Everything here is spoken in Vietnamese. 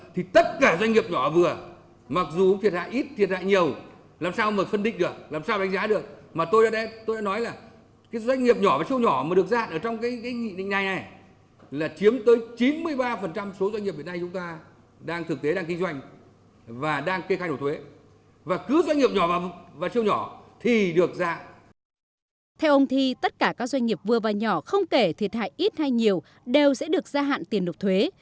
theo ông thi tất cả các doanh nghiệp vừa và nhỏ không kể thiệt hại ít hay nhiều đều sẽ được gia hạn tiền nộp thuế